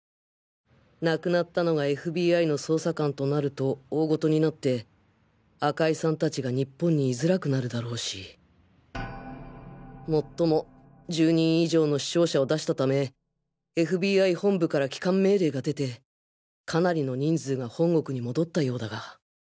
亡くなったのが ＦＢＩ の捜査官となると大事になって赤井さん達が日本にいづらくなるだろうしもっとも１０人以上の死傷者を出したため ＦＢＩ 本部から帰還命令が出てかなりの人数が本国に戻ったようだが